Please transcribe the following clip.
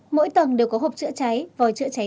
mỗi tầng đều có hộp chữa cháy vòi chữa cháy